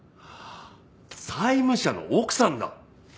債務者の奥さんだ！